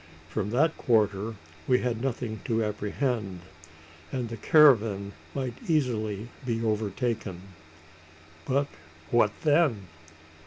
From that quarter we had nothing to apprehend; and the caravan might easily be overtaken. But what then?